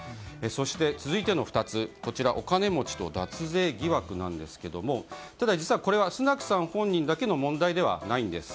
続いての２つはお金持ちと脱税疑惑なんですがただ、実はこれスナクさん本人の問題だけではないんです。